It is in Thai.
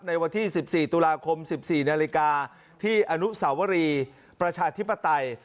ในวันที่๑๔ตุลาคม๑๔นาฬิกาที่อนุสาวรีประชาธิปไตย